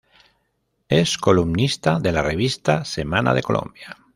Es columnista de la revista Semana de Colombia.